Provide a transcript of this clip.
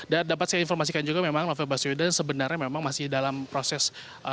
dan dapat saya informasikan juga memang novel baswedan sebenarnya memang masih dalam proses